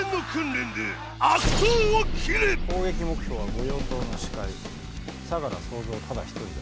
攻撃目標は御用盗の首魁相楽総三ただ一人だ。